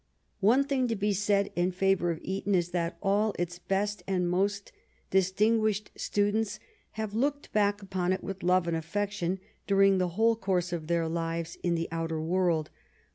One thing to be said in favor of Eton is that all its best and most distinguished students have looked back upon it with love and affection dur ing the whole course of their lives in the outer world.